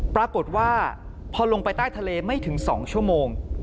ปรากฏว่าพอลงไปใต้ทะเลไม่ถึง๒ชั่วโมง